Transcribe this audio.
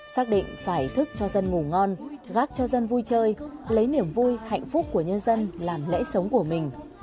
xác định phải thức cho dân ngủ ngon gác cho dân vui chơi lấy niềm vui hạnh phúc của nhân dân làm lễ sống của mình